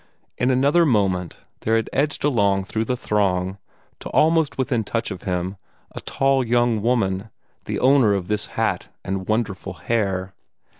In another moment there had edged along through the throng, to almost within touch of him, a tall young woman, the owner of this hat and wonderful hair.